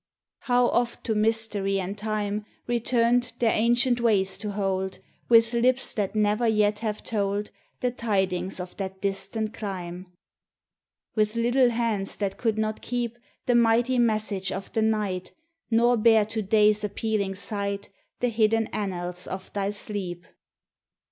81 THE TESTIMONY OF THE SUNS. How oft to Mystery and Time Returned, their ancient ways to hold, With lips that never yet have told The tidings of that distant clime With little hands that could not keep The mighty message of the Night, Nor bare to Day's appealing sight The hidden annals of thy sleep.